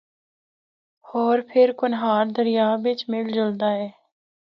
ہور پھر کنہار دریا بچ مِل جُلدا اے۔